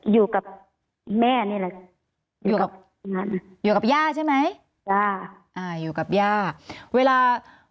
อยู่กับแม่นี่แหละอยู่กับอยู่กับย่าใช่ไหมย่าอ่าอยู่กับย่าเวลา